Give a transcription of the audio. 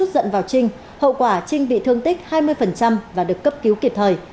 dẫn vào trinh hậu quả trinh bị thương tích hai mươi và được cấp cứu kịp thời